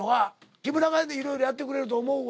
木村が色々やってくれると思うわ。